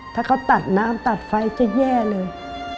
ถ้าเขาตัดน้ำตัดไฟจะแย่เลย